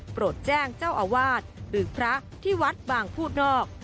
โปรดแจ้งเจ้าอาวาสหรือพระที่วัดบางพูดนอก